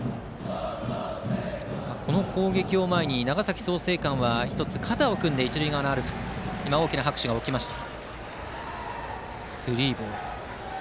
この攻撃を前に長崎・創成館は肩を組んで一塁側のアルプスに拍手が起きていました。